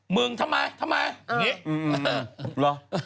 มึงทำไมทำไมอย่างนี้เหรอ